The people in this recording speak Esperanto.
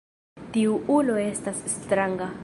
Tiu ulo estas stranga.